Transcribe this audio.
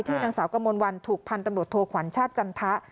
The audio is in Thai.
นางสาวกมลวันถูกพันธุ์ตำรวจโทขวัญชาติจันทะ